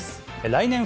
来年、